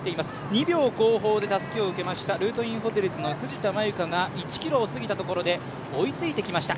２秒後方でたすきを受けました、ルートインホテルズの藤田正由加が１ｋｍを過ぎたところで追いついてきました。